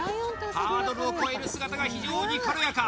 ハードルを越える姿が非常に軽やか